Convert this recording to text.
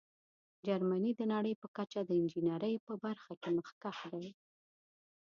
جرمني د نړۍ په کچه د انجینیرۍ په برخه کې مخکښ دی.